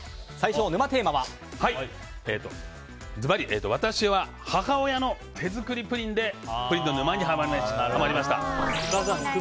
ずばり、私は母親の手作りプリンでプリンの沼にハマりました。